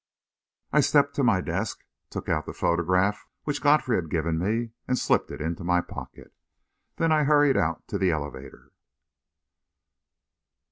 I stepped to my desk, took out the photograph which Godfrey had given me, and slipped it into my pocket. Then I hurried out to the elevator.